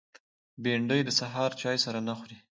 بېنډۍ د سهار چای سره نه خوري